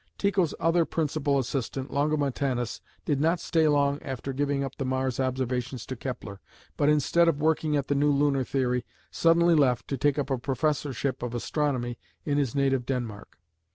Tycho's other principal assistant, Longomontanus, did not stay long after giving up the Mars observations to Kepler, but instead of working at the new lunar theory, suddenly left to take up a professorship of astronomy in his native Denmark.